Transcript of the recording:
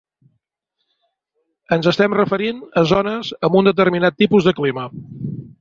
Ens estem referint a zones amb un determinat tipus de clima.